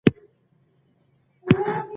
که غږېږي نو غلی دې شي.